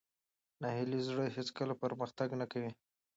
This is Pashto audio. ناهیلي زړه هېڅکله پرمختګ نه کوي.